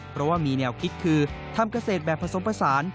เพราะว่ามีแนวคิดคือทำเกษตรแบบผสมผสาน